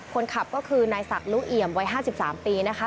คนขับก็คือนายศักดิ์ลุเอี่ยมวัย๕๓ปีนะคะ